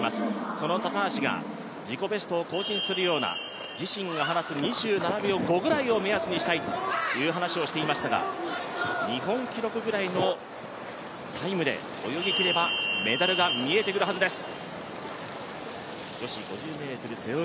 その高橋が自己ベストを更新するような、自身が離す２７秒５くらいを目安にしたいという話をしていましたが日本記録ぐらいのタイムで泳ぎきれば、メダルが見えてくるはずです。